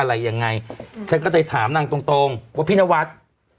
อะไรอย่างไรฉันก็จะถามนางตรงว่าพี่นวัสต์